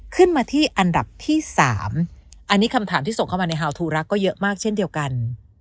ขึ้นมาที่อันดับที่๓อันนี้คำถามที่ส่งเข้ามาในฮาวทูรักก็เยอะมากเช่นเดียวกัน